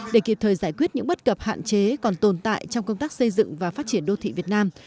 để kịp thời giải quyết những bất cập hạn chế còn tồn tại trong công tác xây dựng và phát triển đô thị việt nam